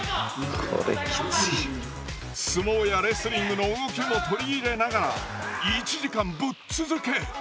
相撲やレスリングの動きも取り入れながら１時間ぶっ続け。